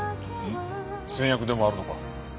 先約でもあるのか？